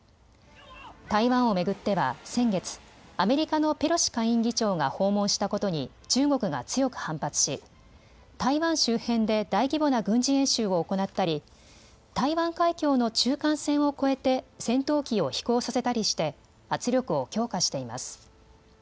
台湾を巡っては先月、アメリカのペロシ下院議長が訪問したことに中国が強く反発し台湾周辺で大規模な軍事演習を行ったり台湾海峡の中間線を越えて戦闘機を飛行させたりして圧力を強化しています。